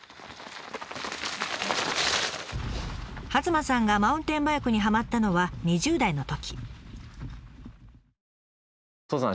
弭間さんがマウンテンバイクにはまったのは２０代のとき。